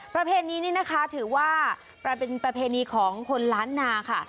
ประเพณีนี้นะคะถือว่าเป็นประเพณีของคนล้านนาค่ะ